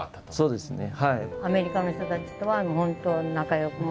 そうですね。